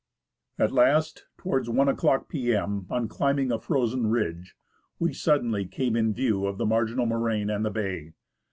At last, towards i o'clock p.m., on climbing a frozen ridge, we suddenly came in view of the marginal moraine and the bay.